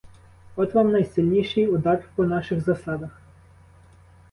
От вам найсильніший удар по наших засадах.